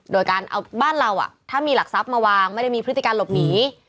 โดยการเอาบ้านเราถ้ามีหลักทรัพย์มาวางไม่ได้มีพฤติการหลบหนี